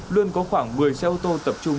luôn có khoảng một mươi xe ô tô tập trung